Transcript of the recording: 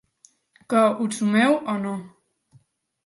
Què, us sumeu o no?